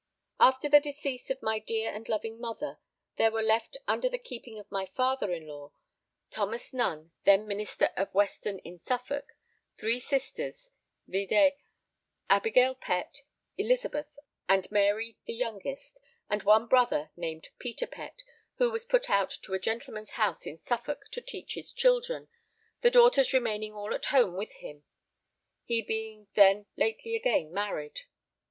After the decease of my dear and loving mother there were left under the keeping of my father in law, Thomas Nunn, then Minister of Weston in Suffolk, three sisters, vide: Abigail Pett, Elizabeth and Mary, the youngest, and one brother named Peter Pett, who was put out to a gentleman's house in Suffolk to teach his children, the daughters remaining all at home with him, he being then lately again married.